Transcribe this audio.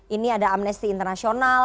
ini ada amnesty international